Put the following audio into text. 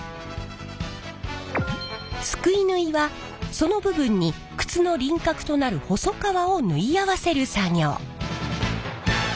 すくい縫いはその部分に靴の輪郭となる細革を縫い合わせる作業。